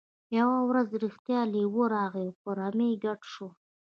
یوه ورځ رښتیا لیوه راغی او په رمې ګډ شو.